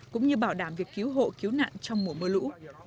cũng như bảo đảm việc cứu hộ cứu nạn trong mùa mưa lũ